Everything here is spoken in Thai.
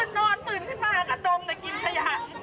กลั้นเบรคมากจริงจริงเลยอ่ะ